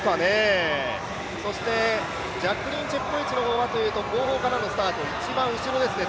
ジャックリーン・チェプコエチの方はというと後方からのスタート一番後ろですね。